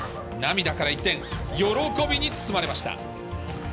涙から一転、喜びに包まれました。